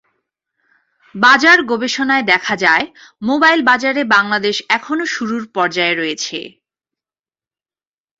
বাজার গবেষণায় দেখা যায়, মোবাইল বাজারে বাংলাদেশ এখনও শুরুর পর্যায়ে রয়েছে।